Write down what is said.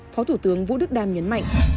phó thủ tướng vũ đức đam nhấn mạnh